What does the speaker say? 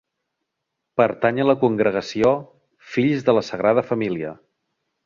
Pertany a la congregació Fills de la Sagrada Família.